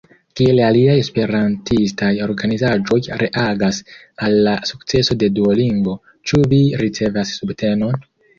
Kiel aliaj esperantistaj organizaĵoj reagas al la sukceso de Duolingo, ĉu vi ricevas subtenon?